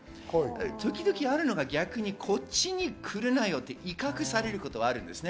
時々あるのが逆にこっちに来るなよと威嚇されることがあるんですよね。